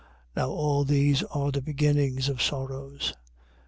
24:8. Now all these are the beginnings of sorrows.